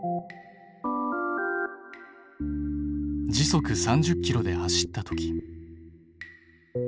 時速３０ｋｍで走った時。